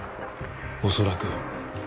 恐らく。